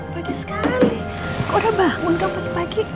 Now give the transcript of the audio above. pagi sekali kau udah bangun kak pagi pagi